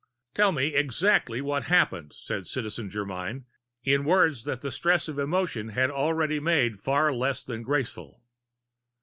"Tell me exactly what happened," said Citizen Germyn, in words that the stress of emotion had already made far less than graceful.